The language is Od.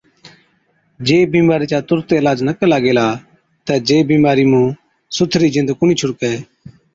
جي بِيمارِي چا تُرت عِلاج نہ ڪلا گيلا تہ جي بِيمارِي سُٿرِي جِند ڪونهِي ڇُڙڪَي۔